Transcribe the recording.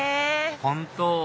本当！